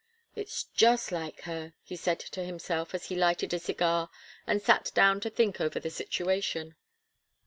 "It's just like her," he said to himself, as he lighted a cigar and sat down to think over the situation.